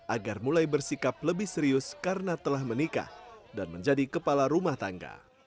agar mulai bersikap lebih serius karena telah menikah dan menjadi kepala rumah tangga